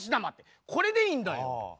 これでいいんだよ。